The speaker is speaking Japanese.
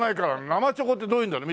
生チョコってどういうんだろう。